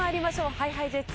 ＨｉＨｉＪｅｔｓ